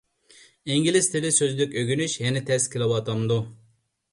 ئىنگلىز تىلى سۆزلۈك ئۆگىنىش يەنە تەس كېلىۋاتامدۇ؟